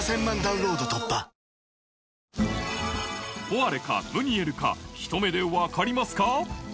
ポワレかムニエルかひと目でわかりますか？